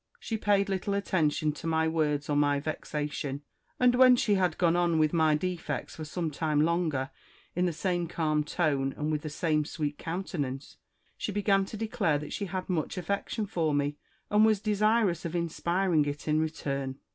She paid little attention to my words or my vexation \ and when she had gone on with my defects for some time longer, in the same calm tone and with the same sweet countenance, she began to declare that she had much affection for me, and was desirous of inspiring it in return.